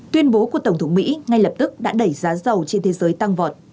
tuyên bố của tổng thống mỹ ngay lập tức đã đẩy giá dầu trên thế giới tăng vọt